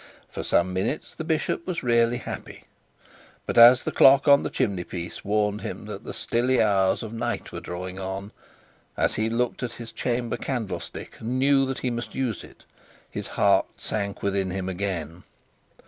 For some few minutes the bishop was really happy; but as the clock on the chimney piece warned him that the stilly hours of night were drawing on, as he looked at his chamber candlestick and knew that he must use it, his heart sank within him again.